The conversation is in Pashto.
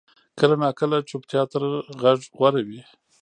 کله ناکله چپتیا تر غږ غوره وي.